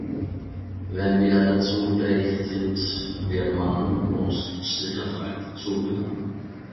Wenn wir dazu fähig sind, wird man uns mit Sicherheit zuhören.